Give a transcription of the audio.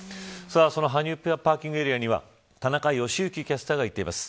その羽生パーキングエリアには田中良幸キャスターが行っています。